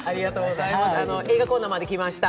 映画コーナーまで来ました。